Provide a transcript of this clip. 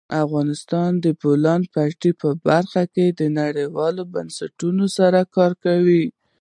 افغانستان د د بولان پټي په برخه کې نړیوالو بنسټونو سره کار کوي.